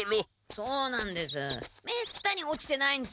そうなんです。